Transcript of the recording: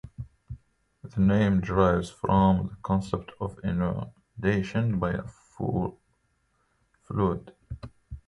The name derives from the concept of inundation by a flood.